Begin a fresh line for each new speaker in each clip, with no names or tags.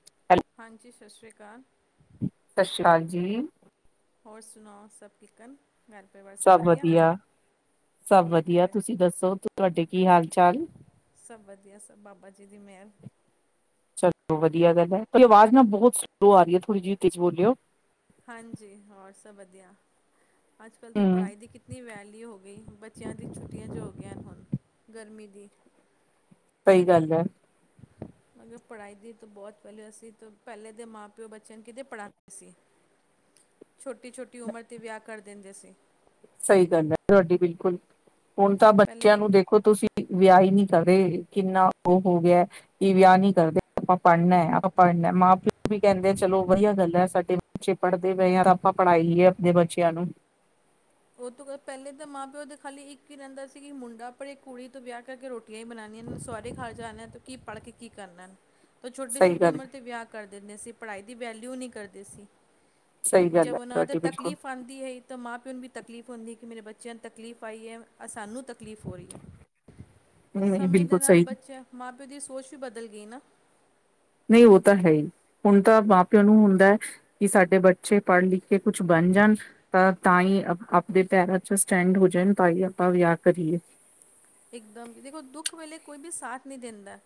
[inaudible]
ਹਾਂਜੀ ਸਸਰੀਆਕਾਲ।
ਸਸੀਕਾਲ ਜੀ।
ਹੋਰ ਸੁਣਾਓ? ਸਭ ਠੀਕ ਆ।
ਸਭ ਵਧੀਆ, ਸਭ
ਹੋਰ ਕੀ
ਵਧੀਆ,
ਕਰ
ਤੁਸੀਂ ਦੱਸੋ ਤੁਹਾਡੇ ਕੀ ਹਾਲ-ਚਾਲ?
ਸਭ ਵਧੀਆ ਸਭ ਬਾਬਾ ਜੀ ਦੀ ਮਹਿਰ।
ਚਲੋ ਵਧੀਆ ਗੱਲ ਐ। ਪਰ ਆਵਾਜ਼ ਨਾ ਬਹੁਤ ਸਲੋ ਆ ਰਹੀ ਐ ਥੋੜੀ ਜਿਹੀ ਤੇਜ਼ ਬੋਲਿਓ।
ਹਾਂਜੀ ਹਾਂ ਸਭ ਵਧੀਆ ਅੱਜ-ਕੱਲ੍ਹ ਤਾਂ
ਹੂੰ,
ਪੜ੍ਹਾਈ ਦੀ ਕਿਤਨੀ ਵੈਲਿਊ ਹੋ ਗਈ। ਬੱਚਿਆਂ ਦੀ ਛੁੱਟੀਆਂ ਜੋ ਹੋ ਗਈਆਂ ਹੁਣ ਗਰਮੀ ਦੀ।
ਸਹੀ ਗੱਲ ਐ।
[inaudible] ਮਤਲਬ ਪੜ੍ਹਾਈ ਦੀ ਤਾਂ ਬਹੁਤ ਪਹਿਲੇ ਅਸੀਂ ਪਹਿਲੇ ਦੇ ਮਾਂ-ਪਿਓ ਬੱਚਿਆਂ ਨੂੰ ਕਿਤੇ ਪੜ੍ਹਾਂਦੇ ਸੀ‌। ਛੋਟੀ-ਛੋਟੀ ਉਮਰ ਤੇ ਵਿਆਹ ਕਰ ਦਿੰਦੇ ਸੀ।
ਸਹੀ ਗੱਲ ਐ ਤੁਹਾਡੀ ਬਿਲਕੁਲ ਹੁਣ ਤਾਂ
ਪਹਿਲੇ
ਬੱਚਿਆਂ ਨੂੰ ਦੇਖ ਦੇਖੋ ਤੁਸੀਂ ਵਿਆਹ ਹੀ ਨਹੀਂ ਕਰ ਰਹੇ ਕਿੰਨਾ ਉਹ ਹੋ ਗਿਆ। ਕੀ ਵਿਆਹ ਨੀ ਕਰਦੇ ਆਪਾਂ ਪੜ੍ਹਨਾ ਐ। ਆਪਾਂ ਪੜ੍ਹਨਾ ਮਾਂ-ਪਿਓ ਵੀ ਕਹਿੰਦੇ ਚਲੋ ਵਧੀਆ ਗੱਲ ਐ। ਸਾਡੇ ਬੱਚੇ ਪੜ੍ਹਦੇ ਪਏ ਆ ਤਾਂ ਆਪਾਂ ਪੜ੍ਹਾਈ ਹੀਏ ਆਪਣੇ ਬੱਚਿਆਂ ਨੂੰ।
ਉਹ ਤੋਂ ਪਹਿਲੇ ਤਾਂ ਮਾਂ-ਪਿਓ ਦੇ ਖਾਲੀ ਇੱਕ ਹੀ ਰਹਿੰਦਾ ਸੀ। ਕਿ ਮੁੰਡਾ ਪੜ੍ਹੇ ਕੁੜੀ ਤੇ ਵਿਆਹ ਕੇ ਰੋਟੀ ਰੋਟੀਆਂ ਹੀ ਬਣਾਂਨੀਆਂ ਨੇ। ਸੋਹਰੇ ਘਰ ਜਾਣਾ ਤੇ ਕੀ ਪੜ੍ਹ ਕੇ ਕੀ ਕਰਨਾ। ਤੇ
ਸਹੀ
ਛੋਟੀ-ਛੋਟੀ
ਗੱਲ,
ਉਮਰ 'ਤੇ ਵਿਆਹ ਕਰ ਦਿੰਦੇ ਸੀ। ਪੜ੍ਹਾਈ ਦੀ ਵੈਲਿਊ ਨਹੀਂ ਕਰਦੇ ਸੀ।
ਸਹੀ ਗੱਲ
ਜਬ
ਹੈ
ਉਹਨਾਂ ਦਾ
ਤੁਹਾਡੀ ਬਿਲਕੁਲ
ਤਕਲੀਫ਼ ਆਂਦੀ ਹੈਈ ਤਾਂ ਮਾਂ-ਪਿਓ ਨੂੰ ਵੀ ਤਕਲੀਫ਼ ਹੁੰਦੀ ਕਿ ਮੇਰੇ ਬੱਚਿਆਂ ਨੂੰ ਤਕਲੀਫ਼ ਆਈ ਐ। ਸਾਨੂੰ ਤਕਲੀਫ਼ ਹੋ ਰਹੀ ਐ।
ਨਹੀਂ
ਸਮੇਂ ਦੇ
ਬਿਲਕੁਲ
ਨਾਲ
ਸਹੀ
ਬੱਚਿਆਂ ਮਾਂ-ਪਿਓ ਦੀ ਸੋਚ ਵੀ ਬਦਲ ਗਈ ਨਾ।
ਨਹੀਂ ਉਹ ਤਾਂ ਹੈ ਈ, ਹੁਣ ਤਾਂ ਮਾਂ-ਪਿਓ ਨੂੰ ਹੁੰਦਾ, ਕਿ ਸਾਡੇ ਬੱਚੇ ਪੜ੍ਹ ਲਿਖ ਕਿ ਕੁਛ ਬਣ ਜਾਣ ਤਾਂ ਤਾਂ ਹੀ ਆਪਣੇ ਪੈਰਾਂ ਚ ਸਟੈਂਡ ਹੋ ਜਾਣ ਤਾਂਈ ਆਪਾਂ ਵਿਆਹ ਕਰੀਏ।
ਇੱਕਦਮ ਦੇਖੋ ਦੁੱਖ ਵੇਲੇ ਕੋਈ ਵੀ ਸਾਥ ਨਹੀਂ ਦਿੰਦਾ।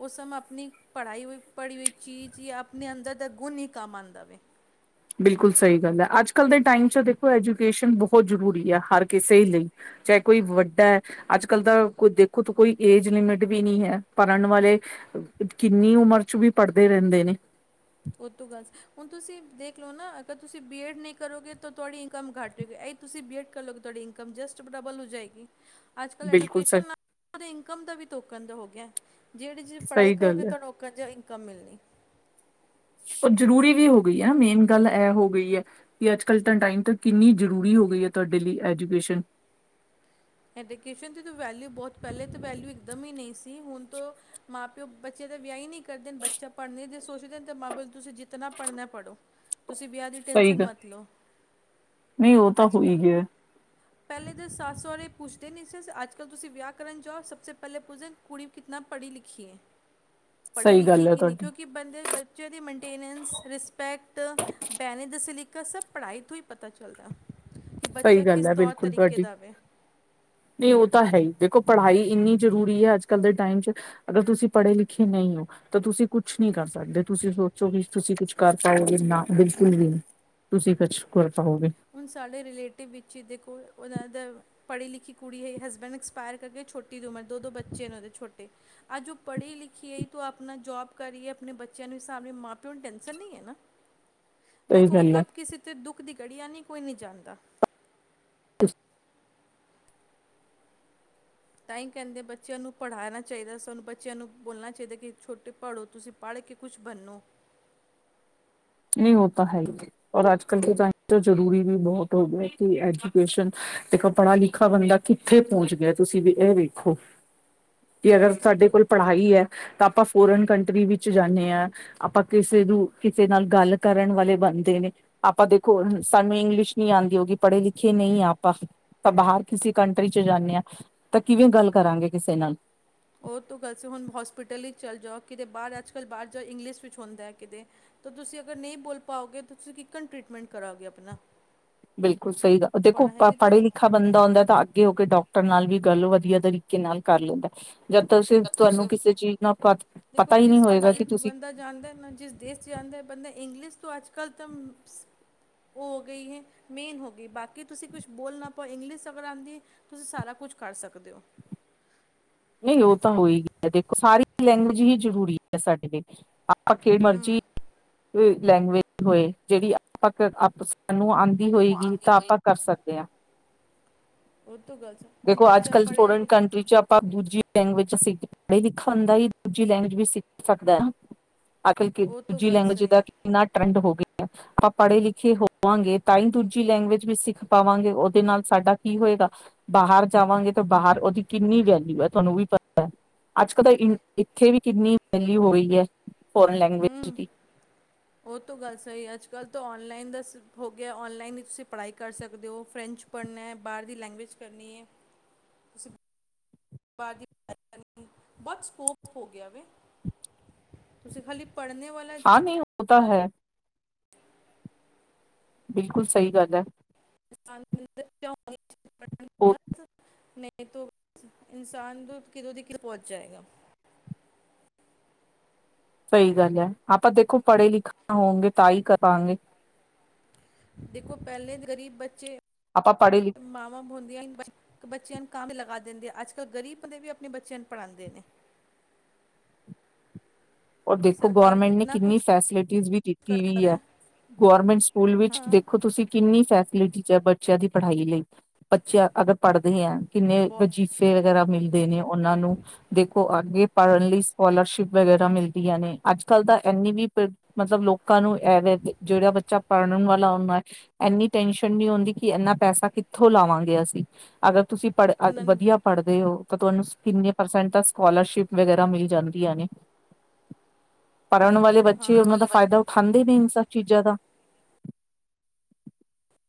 ਉਹ ਸਮਭ ਆਪਣੀ ਪੜ੍ਹਾਈ ਹੋਈ ਪੜ੍ਹੀ ਹੋਈ ਚੀਜ਼ ਜਾਂ ਆਪਣੇ ਅੰਦਰ ਦਾ ਗੁਣ ਨਹੀਂ ਕੰਮ ਆਂਦਾ ਵੇ।
ਬਿਲਕੁਲ ਸਹੀ ਗੱਲ ਐ। ਅੱਜ-ਕੱਲ੍ਹ ਦੇ ਟਾਈਮ 'ਚ ਦੇਖੋ ਐਜੂਕੇਸ਼ਨ ਬਹੁਤ ਜ਼ਰੂਰੀ ਆ। ਹਰ ਕਿਸੇ ਲਈ। ਚਾਹੇ ਕੋਈ ਵੱਡਾ ਐ। ਅੱਜ-ਕੱਲ ਤਾਂ ਕੋ ਦੇਖੋ ਤਾਂ ਕੋਈ ਏਜ ਲਿਮਿਟ ਵੀ ਨਹੀਂ ਹੈ। ਪੜ੍ਹਨ ਵਾਲੇ ਕਿੰਨੀ ਉਮਰ ਚ ਵੀ ਪੜ੍ਹਦੇ ਰਹਿੰਦੇ ਨੇ।
ਉਹ ਤੋਂ ਗੱਲ ਹੁਣ ਦੇਖ ਲਓ ਨਾ ਅਗਰ ਤੁਸੀਂ ਬੀ ਐਡ ਨਹੀਂ ਕਰੋਗੇ। ਤਾਂ ਤੁਹਾਡੀ ਇਨਕਮ ਘੱਟ ਤੁਸੀਂ ਬੀ ਐੱਡ ਕਰ ਲਓ। ਕਿ ਤੁਹਾਡੀ ਇਨਕਮ ਜਸਟ ਡਬਲ ਹੋ ਜਾਏਗੀ‌। ਅੱਜ-ਕੱਲ੍ਹ
ਬਿਲਕੁਲ ਸ
ਐਡੂਕੇਸ਼ਨ ਨਾਲ ਉਹਦੇ ਇਨਕਮ ਦਾ ਵੀ ਟੋਕਨ ਦਾ ਹੋ ਗਿਆ। ਜਿਹੜੀ ਜੀ ਪੜ੍ਹਾਈ
ਸਹੀ ਗੱਲ
ਕਰੋਗੇ
ਹੈ
ਤੁਹਾਡਾ ਕਦੇ ਇਨਕਮ ਮਿਲਣੀ।
ਉਹ ਜ਼ਰੂਰੀ ਵੀ ਹੋ ਗਈ ਏ। ਮੇਨ ਗੱਲ ਇਹ ਹੋ ਗਈ ਏ। ਕਿ ਅੱਜ-ਕੱਲ੍ਹ ਤਾਂ ਟਾਈਮ ਤਾਂ ਕਿੰਨੀ ਜ਼ਰੂਰੀ ਹੋ ਗਈ ਏ। ਤੁਹਾਡੇ ਲਈ ਐਜੂਕੇਸ਼ਨ।
ਐਜੂਕੇਸ਼ਨ ਦੀ ਵੈਲਿਊ ਬਹੁਤ ਪਹਿਲੇ ਤਾਂ ਵੈਲਿਊ ਇਕਦਮ ਹੀ ਨਹੀਂ ਸੀ ਹੁਣ ਤੋਂ ਮਾਂ-ਪਿਓ ਬੱਚੇ ਦੇ ਵਿਆਹ ਹੀ ਨਹੀਂ ਕਰਦੇ। ਬੱਚਾ ਪੜ੍ਹਨ ਦੇ ਸੋਚਦੇ ਤਾਂ ਮਾਂ-ਪਿਓ ਤੁਸੀਂ ਜਿਤਨਾ ਪੜਨਾ ਪੜ੍ਹੋ। ਤੁਸੀਂ ਵਿਆਹ ਦੀ
ਸਹੀ
ਟੈੈਂਸ਼ਨ
ਗੱਲ
ਮਤ ਲਓ।
ਨਹੀਂ ਉਹ ਤਾਂ
ਅੱਜ
ਹੋ
ਕ
ਹੀ ਗਿਆ
ਪਹਿਲੇ ਤਾਂ ਸੱਸ ਸੌਹਰੇ ਪੁੱਛਦੇ ਨਹੀਂ। ਇਸ ਅੱਜ-ਕੱਲ੍ਹ ਤੁਸੀਂ ਵਿਆਹ ਕਰਨ ਜਾਓ ਸਭ ਤੋਂ ਪਹਿਲੇ ਪੁੱਛਦੇ ਕੁੜੀ ਕਿਨਾ ਪੜ੍ਹੀ ਲਿਖੀ ਏ? ਪੜ੍ਹੀ
ਸਹੀ
ਲਿਖੀ
ਗੱਲ ਹੈ
ਕੀ ਨਹੀਂ।
ਤੁਹਾਡੀ
ਕਿਉਂਕਿ ਬੰਦੇ ਬੱਚਿਆਂ ਦੀ ਮੇਨਟੇਨੈਂਸ ਰਿਸ ਸਪੈਕਟ ਬਹਿਣਾ ਦਾ ਸਲੀਕਾ ਸਭ ਪੜ੍ਹਾਈ ਤੋਂ ਹੀ ਪਤਾ ਚੱਲਦਾ। ਕਿ
ਸਹੀ
ਬੱਚਾ
ਗੱਲ
ਕਿਸ
ਹੈ ਬਿਲਕੁਲ
ਤੌਰ-ਤਰੀਕੇ
ਤੁਹਾਡੀ
ਦਾ ਹੋਵੇ।
ਨਹੀਂ ਉਹ ਤਾਂ ਹੈਈ। ਦੇਖੋ, ਪੜ੍ਹਾਈ ਇੰਨੀ ਜ਼ਰੂਰੀ ਹੈ ਅੱਜ-ਕੱਲ੍ਹ ਦੇ ਟਾਈਮ 'ਚ' ਅਗਰ ਤੁਸੀਂ ਪੜ੍ਹੇ-ਲਿਖੇ ਨਹੀਂ ਹੋ ਤਾਂ ਤੁਸੀਂ ਕੁਛ ਨਹੀਂ ਕਰ ਸਕਦੇ ਤੁਸੀਂ ਸੋਚੋ ਵੀ ਤੁਸੀਂ ਕੁਛ ਕਰ ਪਾਓਗੇ ਨਾ। ਬਿਲਕੁਲ ਵੀ ਨਹੀਂ ਤੁਸੀਂ ਕੁਛ ਕਰ ਪਾਓਗੇ।
ਹੁਣ ਸਾਡੇ ਰਿਲੇਟਿਵ ਵਿੱਚ ਦੇਖੋ ਉਹਨਾਂ ਦਾ ਪੜ੍ਹੀ-ਲਿਖੀ ਕੁੜੀ ਹੈ। ਹਸਬੈਂਡ ਐਕਸਪਾਇਰ ਕਰਕੇ ਛੋਟੀ ਦੀ ਉਮਰ ਦੋ-ਦੋ ਬੱਚੇ ਨੇ ਉਹਨਾ ਦੇ ਛੋਟੇ। ਅੱਜ ਉਹ ਪੜ੍ਹੀ- ਲਿਖੀ ਤਾਂ ਉਹ ਆਪਣਾ ਜੋਬ ਕਰ ਰਹੀਏ ਆਪਣੇ ਬੱਚਿਆਂ ਨੂੰ ਸਾਂਭ ਰਹੀ ਏ, ਮਾਂ-ਪਿਓ ਨੂੰ ਟੈਂਨਸ਼ਨ ਨਹੀਂ ਹੈ ਨਾ।
ਸਹੀ
ਦੇਖੋ,
ਗੱਲ ਹੈ
ਕਬ ਕਿਸੇ ਤੇ ਦੁੱਖ ਦੀ ਘੜੀ ਆਣੀ ਹੈ ਕੋਈ ਨਹੀਂ ਜਾਣਦਾ। ਤਾਂਹੀ ਕਹਿੰਦੇ ਬੱਚਿਆਂ ਨੂੰ ਪੜ੍ਹਾਣਾ ਚਾਹੀਦਾ। ਸਾਨੂੰ ਬੱਚਿਆਂ ਨੂੰ ਬੋਲਣਾ ਚਾਹੀਦਾ ਕਿ ਛੋਟੇ ਪੜੋ ਤੁਸੀਂ ਪੜ੍ਹ ਕੇ ਕੁਛ ਬਣਨੋ।
ਨਹੀਂ ਉਹ ਤਾਂ ਹੈ ਹੀ। ਔਰ ਅੱਜ ਕੱਲ ਦੇ ਟੈਮ ਤੇ ਜਰੂਰੀ ਵੀ ਬਹੁਤ ਹੋ ਗਿਆ ਕਿ ਐਜੂਕੇਸ਼ਨ ਦੇਖੋ ਪੜਾ ਲਿਖਾ ਬੰਦਾ। ਕਿੱਥੇ ਪਹੁੰਚ ਗਿਆ ਤੁਸੀਂ ਵੀ ਇਹ ਵੇਖੋ?
[inaudible]
ਕਿ ਅਗਰ
ਉਹ
ਤੁਹਡੇ
ਤੋਂ
ਕੋਲ ਪੜ੍ਹਾ ਹੈ ਈ ਆ ਤਾਂ ਆਪਾਂ ਫੋਰਨ ਕੰਟਰੀ ਵਿੱਚ ਜਾਂਦੇ ਹਾਂ। ਆਪਾਂ ਕਿਸੇ ਨੂੰ ਕਿਸੇ ਨਾਲ ਗੱਲ ਕਰਨ ਵਾਲੇ ਬਣਦੇ ਨੇ। ਆਪਾਂ ਦੇਖੋ, ਸਾਨੂੰ ਇੰਗਲਿਸ਼ ਨਹੀਂ ਆਦੀ ਹੋਗੀ ਪੜ੍ਹੇ-ਲਿਖੇ ਨਹੀਂ ਆਪਾਂ। ਤਾਂ ਬਾਹਰ ਕਿਸੇ ਕੰਟਰੀ ਚ ਜਾਣੇ ਹਾਂ ਤਾਂ ਕਿਵੇਂ ਗੱਲ ਕਰਾਂਗੇ ਕਿਸੇ ਨਾਲ।
ਉਹ ਤੋਂ ਗੱਲਸ ਹੁਣ ਹੋਸਪਿਟਲ ਹੀ ਚੱਲ ਜਾਓ, ਕਿਤੇ ਬਾਹਰ ਅੱਜ ਕੱਲ੍ਹ ਬਾਹਰ ਜਾਓ ਇੰਗਲਿਸ਼ ਵਿੱਚ ਹੁੰਦਾ ਹੈ ਕਿਤੇ। ਤਾਂ ਤੁਸੀਂ ਅਗਰ ਨਹੀਂ ਬੋਲ ਪਾਓਗੇ ਤਾਂ ਤੁਸੀਂ ਕਿਕਨ ਟ੍ਰਰੀਟਮੈਂਟ ਕਰੋਗੇ ਆਪਣਾ।
ਬਿਲਕੁਲ ਸਹੀ ਦੇਖੋ
ਪੜ੍ਹਾਈ ਦੀ ਤੋਂ
ਪੜ੍ਹੇ ਲਖ ਲਿਖਾ ਬੰਦਾ ਹੁੰਂਦਾ ਤਾਂ ਅੱਗੇ ਹੋ ਕੇ ਡਾਕਟਰ ਨਾਲ ਵੀ ਗੱਲ ਵਧੀਆ ਤਰੀਕੇ ਨਾਲ ਕਰ ਲੈਂਦਾ। ਜਦ ਤੁਸੀਂ ਤੁਹਾਨੂੰ ਕਿਸੇ ਚੀਜ਼ ਨਾਲ ਪਤਾ
ਦੇਖੋ
ਪਤਾ ਹੀ
ਜਿਸ
ਨਹੀਂ ਹੋਏਗਾ
ਕੰਟਰੀ
ਕਿ
ਤੋਂ
ਤੁਸੀਂ
ਬੰਦਾ ਜਾਂਦਾ ਨਾ, ਜਿਸ ਦੇਸ਼ 'ਚ' ਜਾਂਦਾ ਬੰਦਾ ਇੰਗਲਿਸ਼ ਤੋਂ ਅੱਜ-ਕੱਲ੍ਹ ਤੁਮ ਉਹ ਹੋ ਗਈ ਹੈ ਮੇਨ ਹੋ ਗਈ। ਬਾਕੀ ਤੁਸੀਂ ਕੁਛ ਬੋਲ ਨਾ ਪਾਓ ਇੰਗਲਿਸ਼ ਅਗਰ ਆਦੀ ਏ। ਤੁਸੀਂ ਸਾਰਾ ਕੁਝ ਕਰ ਸਕਦੇ ਹੋ।
ਨਹੀਂ ਉਹ ਹੋਈ ਗਈ ਆ ਦੇਖੋ ਸਾਰੀ ਲੈਂਗੁਏਜ ਜ਼ਰੂਰੀ ਹੈ ਸਾਡੇ ਲਈ। ਕਿਹੜੀ ਮਰਜ਼ੀ ਲੈਂਗੁਏਜ ਹੋਏ। ਜਿਹੜੀ ਆਪ ਆਪ ਸ ਨੂੰ ਆਂਦੀ। ਆਦੀ
ਉਹ
ਹੋਏਗੀ
ਆਉਂਦੀ
ਤਾਂ
ਹੋਈ
ਆਪਾਂ ਕਰ ਸਕਦੇ ਹਾਂ।
ਉਹ ਤੋਂ ਗੱਲ ਸ ਹੁਣ
ਦੇਖੋ
ਬੱਚਾ
ਅੱਜ-ਕੱਲ੍ਹ
ਪੜ੍ਹਿਆ
ਸਟੂਡੈਂਟ
ਲਿ
ਕੰਟਰੀ 'ਚ' ਆਪ ਆਪ ਦੂਜੀ ਲੈਂਗੂਏਜ ਸਿ ਪੜ ਹੀ ਲਿਖਣ ਹੁੰਦਾ ਹੀ ਦੂਜੀ ਲੈਂਗੂਏਜ ਵੀ ਸਿੱਖ ਸਕਦਾ ਹੈ। ਆਖਰ
ਉਹ ਤੋਂ
ਦੂਜੀ
ਗੱਲ
ਲੈਂਗੁਏਜ
ਸਹੀ
ਦਾ ਕਿੰਨਾ ਟਰੈਂਡ ਹੋ ਗਿਆ। ਆਪਾਂ ਪੜ੍ਹੇ ਲਿਖੇ ਹੋਵਾਂਗੇ ਤਾਂ ਹੀ ਦੂਜੀ ਲੈਂਗੁਏਜ ਵੀ ਸਿੱਖ ਪਾਵਾਂਗੇ। ਉਹਦੇ ਨਾਲ ਸਾਡਾ ਕੀ ਹੋਏਗਾ? ਬਾਹਰ ਜਾਵਾਂਗੇ ਤਾਂ ਬਾਹਰ ਉਹਦੀ ਕਿੰਨੀ ਵੈਲਯੂ ਇਹ ਤੁਹਾਨੂੰ ਵੀ ਪਤਾ ਹੈ ਅੱਜ-ਕੱਲ੍ਹ ਤਾਂ ਇੱਥੇ ਵੀ ਕਿੰਨੀ ਵੈਲੂਯ ਹੋ ਰਹੀ ਹੈ। ਫੋਰਨ ਲੈਂਗੁਏਜ
ਹੂੰ
ਦੀ।
ਉਹ ਤੋਂ ਗੱਲ ਸਹੀ ਹੈ। ਅੱਜ-ਕੱਲ੍ਹ ਤਾਂ ਔਨਲਾਈਨ ਦਾ ਸ ਹੋ ਗਿਆ। ਔਨਲਾਈਨ ਹੀ ਤੁਸੀਂ ਪੜ੍ਹਾਈ ਕਰ ਸਕਦੇ ਹੋ ਫਰੈਂਚ ਪੜ੍ਹਨਾ ਬਾਹਰ ਦੀ ਲੈਗਵਏਜ ਕਰਨੀ ਹੈ ਤੁਸੀ ਬਾਹਰ ਦੀ ਲੈਂਗੂਏਜ ਬਹੁਤ ਸਕੋਪ ਹੋ ਗਿਆ ਵ ਤੁਸੀਂ ਹਾਲੇ ਪੜ੍ਹਨੇ ਵਾਲੇ
ਹਾਂ ਨਹੀਂ ਹੋਤਾ ਹੈ। ਬਿਲਕੁਲ ਸਹੀ ਗੱਲ ਹੈ।
[unintelligible] ਨਹੀਂ ਤੋਂ। ਇਨਸਾਨ ਤੋਂ ਕਿਦੋਂ ਦੀ ਕਿ ਪਹੁੰਚ ਜਾਏਗਾ।
ਸਹੀ ਗੱਲ ਐ ਆਪਾਂ ਦੇਖੋ ਪੜ੍ਹੇ - ਲਿਖੇ ਹੋਗੇ ਤਾਂ ਹੀ ਕਰਵਗੇ।
ਦੇਖੋ ਪਹਿਲੇ ਦੇ ਗ਼ਰੀਬ ਬੱਚੇ
ਆਪਾਂ [unintelligible]
ਮਾਵਾਂ ਬ ਹੁੰਦੀਆਂ ਹੀ ਬੱਚਿਆਂ ਨੂੰ ਕਾਂ ਲਗਾ ਦਿੰਦੇ ਆ ਅੱਜ - ਕੱਲ੍ਹ ਗਰੀਬ ਬੰਦੇ ਵੀ ਆਪਣੇ ਬੱਚਿਆਂ ਨੂੰ ਪੜ੍ਹਾਦੇ ਨੇ।
ਰ ਦੇਖੋ
ਸਰਕਾਰ
ਗਵਰਮੈਂਟ ਨੇ
ਕਿਤਨਾ ਕੁਛ
ਕਿੰਨੀ ਫੈਸਿਲਿਟੀਜ ਵੀ ਦਿੱਤੀ
ਕਰਦਾ
ਵੀਈ ਐ।
ਪਿਆ
ਗੌਰਮੈਂਟ ਸਕੂਲ ਵਿੱਚ
ਹਾਂ
ਦੇਖੋ ਤੁਸੀਂ ਕਿੰਨੀ ਫੈਸਿਲਿਟੀ ਹੈ ਬੱਚਿਆਂ ਦੀ ਪੜ੍ਹਾਈ ਲਈ ਬੱਚਿਆਂ ਅਗਰ ਪੜ੍ਹਦੇ ਹੈ ਕਿੰਨੇ ਵ
ਬਹੁਤ
ਵਗੈਰਾ ਮਿਲਦੇ ਨੇ ਉਹਨਾਂ ਨੂੰ ਦੇਖੋ ਅੱਗੇ ਪੜ੍ਹਨ ਲਈ ਸਕੋਲਰਸ਼ਿਪ ਵਗੈਰਾ ਮਿਲ ਨੇ ਅੱਜ ਕੱਲ ਤਾਂ ਇੰਨੀ ਵੀ ਪ ਮਤਲਬ ਲੋਕਾਂ ਨੂੰ ਇਹਵੇ ਜਿਹੜਾ ਬੱਚਾ ਪੜ੍ਹਨ ਵਾਲਾ ਹਦਾ ਹੈ। ਇੰਨੀ ਟੈਸ਼ਨ ਨਹੀਂ ਹੁੰਦੀ ਕਿ ਇਨਾ ਪੈਸਾ ਕਿੱਥੋਂ ਲਾਵਾਂਗੇ ਅਸੀਂ ਅਗਰ ਤੁਸੀਂ ਪੜ
ਉਹਨਾਂ ਨੂੰ
ਵਧੀਆ ਪੜ੍ਹਦੇ ਹੋ ਤਾਂ ਤੁਹਾਨੂੰ ਕਿਨੇਸਟ ਸਕਲਰਸ਼ਿ ਵਗੈਰਾ ਮਿਲ ਜਾਂਦੀ ਐ। ਪੜ੍ਹਨ
ਅੱਜ
ਵਾਲੇ
ਕੱਲ੍ਹ
ਬੱਚੇ ਉਹਨਾਂ ਦਾ
ਹਾਂ
ਫਾਇਦਾ ਉਠਾਉਂਦੇ ਨੇ ਇਹ ਸ ਚੀਜ਼ਾਂ ਦਾ।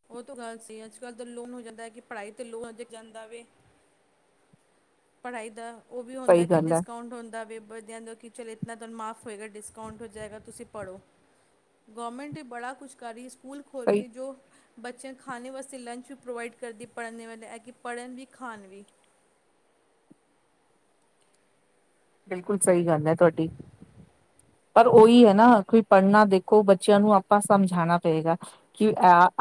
ਉਹ ਤੋਂ ਗੱਲ ਸੀ ਅੱਜ ਕੱਲ੍ਹ ਦਾ ਲੋਨ ਹੋ ਜਾਂਦਾ ਹੈ ਕਿ ਪੜ੍ਹਾਈ ਲੋਨ ਅਜ ਜਾਂਦਾ ਵੇ ਪੜ੍ਹਾਈ ਦਾ ਉਹ ਵੀ
ਸਹੀ
ਹੁੰਦਾ ਕਿ
ਗੱਲ ਹੈ
ਡਿਸਕਾਊਂਟ ਹੁੰਦਾ ਵ ਵਦਿਆਂ ਦਾ ਕਿ ਚੱਲ ਇਤਨਾ ਤੁਹਾਨੂੰ ਮਾਫ਼ ਹੋਏਗਾ ਡਿਸਕਾਊਂਟ ਹੋ ਜਾਏਗਾ ਤੁਸੀਂ ਪੜ੍ਹੋ। ਗੌਰਮੈਂਟ ਨੇ ਬੜਾ ਕੁਛ ਕਰੀ ਸਕੂਲ
ਸਹੀ
ਖੋਲ੍ਹੇ ਜੋ ਬੱਚਿਆਂ ਨੂੰ ਖਾਣੇ ਵਾਸਤੇ ਲੰਚ ਵੀ ਪ੍ਰੋਵਾਈਡ ਕਰਦੀ ਪੜ੍ਹਨ ਵਾਲੇ ਐ ਕਿ ਪੜ੍ਹਨ ਵੀ, ਖਾਣ ਵੀ।
ਬਿਲਕੁਲ ਸਹੀ ਗੱਲ ਐ ਤੁਹਾਡੀ। ਪਰ ਉਹੀ ਹੈ ਨਾ ਕਿ ਪੜ੍ਹਨਾ ਦੇਖੋ ਬੱਚਿਆਂ ਨੂੰ ਆਪਾਂ ਸਮਝਾਣਾ ਪਏਗਾ। ਕਿ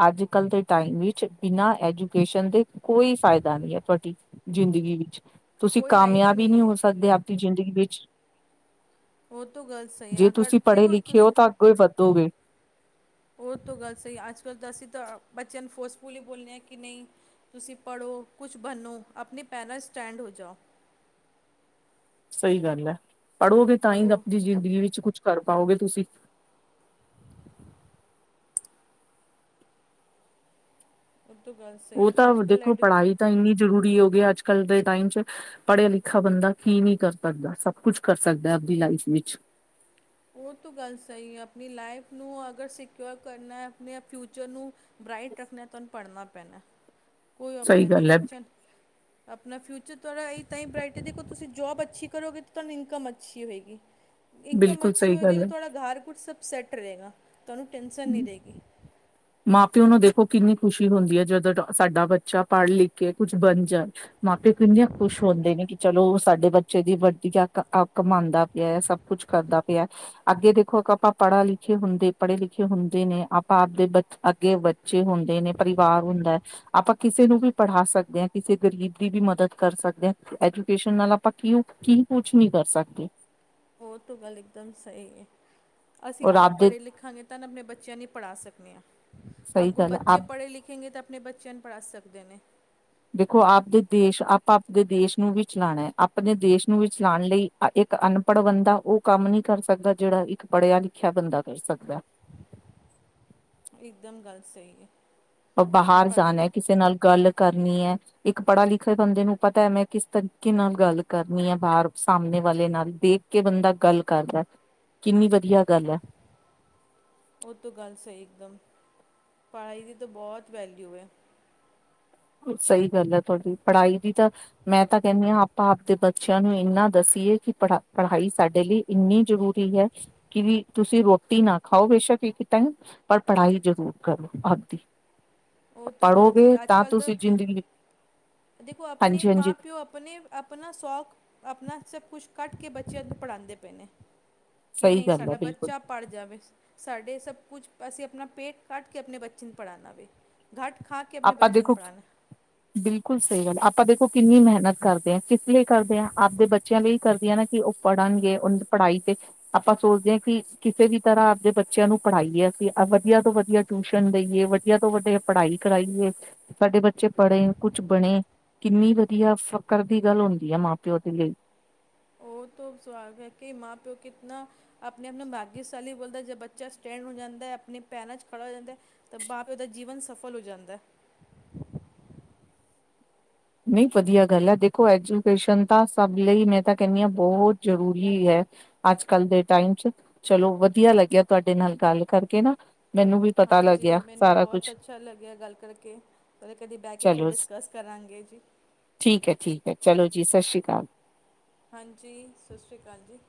ਅੱਜ ਕੱਲ ਦੇ ਟਾਈਮ ਵਿੱਚ ਬਿਨਾਂ ਐਜੂਕੇਸ਼ਨ ਦੇ ਕੋਈ ਫਾਇਦਾ ਨਹੀਂ ਐ। ਤੁਹਾਡੀ ਜ਼ਿੰਦਗੀ ਵਿੱਚ ਤੁਸੀਂ
ਕੋਈ ਲਾਈਫ
ਕਾਮਯਾਬ ਹੀ ਨਹੀਂ
ਹੈ
ਹੋ ਸਕਦੇ। ਦੀ ਜ਼ਿੰਦਗੀ ਵਿੱਚ
ਉਹ ਤਾਂ ਗੱਲ ਸਹੀ ਹੈ
ਜੇ
ਅਗਰ
ਤੁਸੀਂ ਪੜ੍ਹੇ
ਦੇਖੋ
ਲਿਖੇ ਹੋ
ਤੁਸੀਂ
ਤਾਂ ਅੱਗੋਂ ਵੱਧੋਗੇ।
ਉਹ ਤੋਂ ਗੱਲ ਸਹੀ ਅੱਜ-ਕੱਲ੍ਹ ਤਾਂ ਅਸੀਂ ਤਾਂ ਬੱਚਿਆਂ ਨੂੰ ਫੋਰਸਫੁਲੀ ਬੋਲਦੇ ਹਾਂ ਕਿ ਨਹੀਂ ਤੁਸੀਂ ਪੜ੍ਹੋ ਕੁਛ ਬਨੋ ਆਪਣੇ ਪੈਰਾਂਟਸ ਸਟੈਂਡ ਹੋ ਜਾਓ।
ਸਹੀ ਗੱਲ ਐ ਪੜ੍ਹੋਗੇ ਤਾਂ
ਔਰ
ਹੀ
ਉਹ
ਆਪਣੀ ਜ਼ਿੰਦਗੀ ਵਿੱਚ ਕੁਛ ਕਰ ਪਾਓਗੇ ਤੁਸੀਂ।
ਪੁਰਤੂਗਜ਼
ਉਹ ਤਾਂ ਦੇਖੋ ਪੜ੍ਹਾਈ ਤਾਂ ਇੰਨੀ ਜ਼ਰੂਰੀ ਹੋ ਗਈ ਅੱਜ - ਕੱਲ੍ਹ ਦੇ ਟਾਈਮ 'ਚ ਪੜ੍ਹਿਆ ਲਿਖਿਆ ਬੰਦਾ ਕੀ ਨਹੀ ਕਰ ਸਕਦਾ ਸਭ ਕੁਛ ਕਰ ਸਕਦਾ ਆਪਦੀ ਲਾਈਫ ਵਿੱਚ।
ਉਹ ਤੋਂ ਗੱਲ ਸਹੀ ਐ। ਆਪਣੀ ਲਾਈਫ ਨੂੰ ਅਗਰ ਸਿਕਿਓਰ ਕਰਨਾ ਆਪਣੇ ਫਿਊਚਰ ਨੂੰ ਬਰਾਈਟ ਰੱਖਣਾ ਤੁਹਾਨੂੰ ਪੜ੍ਹਨਾ ਪੈਣਾ ਕੋਈ
ਸਹੀ
ਪਸ਼ਨ ਨਹੀਂ
ਗੱਲ ਹੈ
ਬੱਚਨ ਆਪਣਾ ਫਿਊਚਰ ਥਹਾ੍ਹਾ ਇ ਤਾਂ ਹੀ ਬਰਾਈਟ ਹੈ ਦੇਖੋ ਤੁਸੀਂ ਜੋਬ ਅੱਛੀ ਕਰੋਗੇ ਤਾਂ ਤੁਹਾਨੂੰ ਇਨਕਮ ਅੱਛੀ ਹੋਏਗੀ। ਇਨਕਮ
ਬਿਲਕੁਲ
ਅੱਛੀ
ਸਹੀ
ਹੋਏਗੀ
ਗੱਲ
ਤੇ
ਹੈ।
ਤੁੜਾ ਘਰ ਘ ਸ ਸੈੱਟ ਰਹੇਗਾ ਤੁਹਾਨੂੰ ਟਨ ਨਹੀ ਰਹੇਗੀ।
ਮਾਂ - ਪਿਓ ਨੂੰ ਦੇਖੋ ਕਿੰਨੀ ਖੁਸ਼ੀ ਹੁੰਦੀ ਹੈ ਜਦੋਂ ਸਾਡਾ ਬੱਚਾ ਪੜ੍ਹ ਲਿਖ ਕੇ ਕੁਝ ਬਣ ਜਾਏ। ਮਾਪੇ ਕੀਨੇ ਹ ਖੁਸ਼ ਹੁੰਦੇ ਨੇ ਕਿ ਚਲੋ ਸਾਡੇ ਬੱਚੇ ਦੀ ਵੱਡੀੱਕ ਅੱਕ ਮੰਨਦਾ ਪਿਆ ਹੈ ਸਭ ਕੁਛ ਕਰਦਾ ਪਿਆ। ਅੱਗੇ ਦੇਖੋ ਆਪਾਂ ਪੜ੍ਹੇ ਲਿਖੇ ਹੁੰਦੇ ਪੜ੍ਹੇ ਲਿਖੇ ਹੁੰਦੇ ਨੇ ਆਪਾਂ ਆਪਦੇੇ ਅੱਗੇ ਬੱਚੇ ਹੁੰਦੇ ਨੇ ਪਰਿਵਾਰ ਹੁੰਦਾ। ਆਪਾਂ ਕਿਸੇ ਨੂੰ ਪੜਾ ਵੀ ਸਕਦੇ ਹਾਂ ਕਿਸੇ ਗਰੀਬ ਦੀ ਵੀ ਮਦਦ ਕਰ ਹਾਂ। ਐਜੂਕੇਸ਼ਨ ਨਾਲ ਆਪਾਂ ਕਿ ਕੀ ਕੁਛ ਨੀ ਕਰ ਸਕਦੇ।
ਉਹ ਤੋਂ ਗੱਲ ਇਕਦਮ ਸਹੀ ਏ ਅਸੀਂ
ਔਰ
ਆਪ
ਆਪਦੇ
ਪੜ੍ਹੇ-ਲਿਖਾਂਗੇ ਤਨ ਆਪ ਬੱਚਿਆਂ ਨੂੰ ਪੜ੍ਹਾ ਸਕਦੇ ਹਾਂ।
ਸਹੀ
ਅੱਗੋਂ
ਗੱਲ ਹੈ,
ਬੱਚੇ
ਆਪ
ਪੜ੍ਹੇ ਲਿਖੇਗੇ ਤਾਂ ਆਪਣੇ ਬੱਚਿਆਂ ਨੂੰ ਪੜ੍ਹਾ ਸਕਦੇ ਨੇ।
ਦੇਖੋ ਆਪਦੇ ਦੇਸ਼ ਆਪਾਂ ਆਪਦੇ ਦੇਸ਼ ਨੂੰ ਵੀ ਚਲਾਣਾ ਆਪਣੇ ਦੇਸ਼ ਨੂੰ ਵੀ ਚਲਾਣ ਲਈ ਇੱਕ ਅਨਪੜ੍ਹ ਬੰਦਾ ਓ ਕੰਮ ਨੀ ਕਰ ਸਕਦਾ। ਜੇੜਾ ਇੱਕ ਪੜ੍ਹਿਆ-ਲਿਖਿਆ ਬੰਦਾ ਕਰ ਸਕਦਾ।
ਇਕਦਮ ਗੱਲ ਸਹੀ ਏ।
ਆਪਾਂ ਬਾਹਰ ਜਾਣਾ ਏ ਕਿਸੇ ਨਾਲ ਗੱਲ ਕਰਨੀ ਏ ਇੱਕ ਪੜ੍ਹਾ-ਲਿਖੇ ਬੰਦੇ ਨੂੰ ਪਤਾ ਹੈ ਮੈਂ ਕਿਸ ਤਰੀਕੇ ਨਾਲ ਗੱਲ ਕਰਨੀ ਏ ਬਾਹਰ ਸਾਮਣੇ ਵਾਲੇ ਨਾਲ ਦੇ ਕੇ ਬੰਦਾ ਗੱਲ ਕਰਦਾ।
[inaudible]
ਕਿੰਨੀ ਵਧੀਆ ਗੱਲ ਐ।
ਉਹ ਤੋਂ ਗੱਲ ਸਹੀ ਇੱਕਦਮ, ਪੜ੍ਹਾਈ ਦੀ ਤਾਂ ਬਹੁਤ ਵੈਲਿਊ ਐ।
ਸਹੀ ਗੱਲ੍ਹ ਏ ਤੁਹਾਡੀ ਪੜ੍ਹਾਈ ਦੀ ਤਾਂ ਮੈਂ ਤਾਂ ਕੈਂਨੀ ਆਂ ਆਪਾਂ ਆਪਦੇ ਬੱਚਿਆਂ ਨੂੰ ਇੰਨਾ ਦੱਸੀਏ ਕਿ ਪੜਾ ਪੜ੍ਹਾਈ ਸਾਡੇ ਲਈ ਇੰਨੀ ਜ਼ਰੂਰੀ ਹੈ ਕਿ ਵੀ ਤੁਸੀਂ ਰੋਟੀ ਨਾ ਖਾਓ ਬੇਸ਼ੱਕ ਇੱਕ ਟਾਈਮ ਪਰ ਪੜ੍ਹਾਈ ਜ਼ਰੂਰ ਕਰੋ ਆਪਦੀ
ਉਹ ਤੋਂ ਗੱਲ
ਪੜ੍ਹੋਗੇ
ਸਹੀ ਅੱਜ
ਤਾਂ
ਕੱਲ੍ਹ
[inaudible]
ਦੇਖੋ ਆਪਣੇ
ਹਾਂਜੀ ਹਾਂਜੀ
ਮਾਂ-ਪਿਓ ਆਪਣੇ ਆਪਣਾ ਸ਼ੌਖ ਆਪਣਾ ਸਭ ਕੁਛ ਕੱਟ ਕੇ ਬੱਚਿਆਂ ਨੂੰ ਪੜ੍ਹਾਂਦੇ ਪਏ ਨੇ। ਕਿ
ਸਹੀ
ਨਹੀਂ
ਗੱਲ ਹੈ
ਸਾਡਾ
ਬਿਲਕੁਲ
ਬੱਚਾ ਪੜ੍ਹ ਜਾਵੇ ਸਾਡੇ ਸਭ ਕੁਝ ਅਸੀਂ ਆਪਣਾ ਪੇਟ ਕੱਟ ਕੇ ਆਪਣੇ ਬੱਚੇ ਨੂੰ ਪੜ੍ਹਾਣਾ ਵੇ। ਗਟ ਖਾ ਕੇ ਆਪਣੇ
ਆਪਾਂ
ਬਚਿਆ ਨੂੰ
ਦੇਖੋ
ਪੜਾਣਾ।
ਬਿਲਕੁਲ ਸਹੀ ਗੱਲ ਏ ਆਪਾਂ ਦੇਖੋ ਕਿੰਨੀ ਮਿਹਨਤ ਕਰਦੇ ਹਾਂ ਕਿਸ ਲਈ ਕਰਦੇ ਹਾਂ ਆਪਦੇ ਬੱਚਿਆਂ ਲਈ ਕਰਦੀਆਂ ਨਾ ਕਿ ਉਹ ਪੜ੍ਹਨਗੇ ਉਹ ਦੀ ਪੜ੍ਹਾਈ ਤੇ ਆਪਾਂ ਸੋਚਦੇ ਹਾਂ ਕਿ ਕਿਸੇ ਵੀ ਤਰ੍ਹਾਂ ਆਪਦੇ ਬੱਚਿਆਂ ਨੂੰ ਪੜ੍ਹਾਈਏ ਅਸੀਂ ਵਧੀਆ ਤੋਂ ਵਧੀਆ ਟਿਊਸ਼ਨ ਦੇਈਏ ਵੱਡਆ ਤੋਂ ਵੱਡੀ ਪੜ੍ਹਾਈ ਕਰਾਈਏ ਸਾਡੇ ਬੱਚੇ ਪੜ੍ਹੇ ਕੁਛ ਬਣੇ ਕਿੰਨੀ ਵਧੀਆ ਫ਼ਕਰ ਦੀ ਗੱਲ ਹੁੰਦੀ ਆ ਮਾਂ-ਪਿਓ ਦੇ ਲਈ।
ਉਹ ਤ ਸਵਾਲ ਹੈ ਕਿ ਮਾਂ-ਪਿਓ ਕਿਤਨਾ ਆਪਣੇ ਆਪਣੇ ਮਾਘਸ਼ਾਲੀ ਬੋਲਦਾ ਜੇ ਬੱਚਾ ਸਟੈਂਡ ਹੋ ਜਾਂਦਾ ਆਪਣੀ ਭੈਰਾਂ ਚ ਖੜਾ ਹੋ ਜਾਂਦੇ ਤਾਂ ਮਾਂ-ਪਿਓ ਦਾ ਜੀਵਨ ਸਫਲ ਹੋ ਜਾਂਦਾਂ।
ਨਹੀਂ ਵਧੀਆ ਗੱਲ ਐ। ਦੇਖੋ ਐਜੂਕੇਸ਼ਨ ਤਾਂ ਸਭ ਲਈ ਮੈਂ ਤਾਂ ਕੈਨੀ ਆਂ ਬੋਤ ਜ਼ਰੂਰੀ ਐ। ਅੱਜ-ਕੱਲ੍ਹ ਦੇ ਟਾਈਮ ਚ ਚਲੋ ਵਧੀਆ ਲੱਗਿਆ ਤੁਹਾਡੇ ਨਾਲ ਗੱਲ ਕਰਕੇ ਨਾ। ਮੈਨੂੰ ਵੀ ਪਤਾ
ਹਾਂਜੀ,
ਲੱਗਿਆ
ਮੈਨੂੰ ਵੀ
ਸਾਰਾ ਕੁਛ
ਬਹੁਤ ਅੱਛਾ ਲੱਗਿਆ ਗੱਲ ਕਰਕੇ ਉਹਦੇ ਕਦੇ-ਕਦੇ ਬਹਿ ਕੇ ਫਿਰ
ਚਲੋ
ਡਿਸਕਸ ਕਰਾਂਗੇ ਜੀ।
ਠੀਕ ਐ, ਠੀਕ ਐ ਚਲੋ ਜੀ ਸਸਰੀ ਕਾਲ।
ਹਾਂਜੀ ਸਸਰੀ ਕਾਲ ਜੀ।